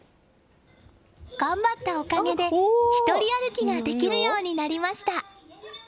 頑張ったおかげで、一人歩きができるようになりました。